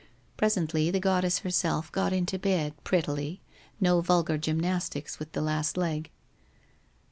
Presently the goddess herself got into bed, prettily — no vulgar gymnastics with the last teg.